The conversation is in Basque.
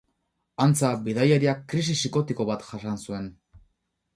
Antza, bidaiariak krisi psikotiko bat jasan zuen.